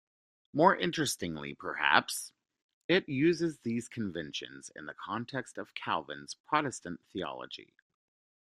More interestingly perhaps, it uses these conventions in the context of Calvin's Protestant theology.